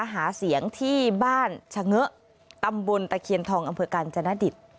หาเสียงที่บ้านชะเงอะตำบลตะเคียนทองอำเภอกาญจนดิต